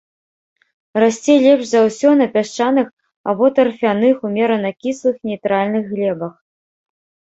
Расце лепш за ўсё на пясчаных або тарфяных, умерана кіслых нейтральных глебах.